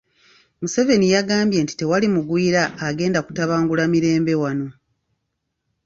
Museveni yagambye nti tewali mugwira agenda kutabangula mirembe wano.